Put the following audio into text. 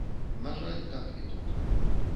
На жаль, так і тут.